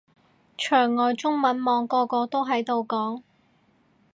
牆外中文網個個都喺度講